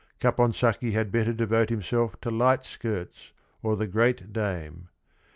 Caponsacchi had better devote himself to Light skirts or the great dame.